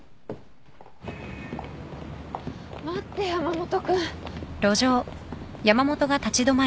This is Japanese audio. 待って山本君。